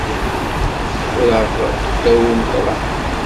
Ffreɣ ddaw umeṭreḥ.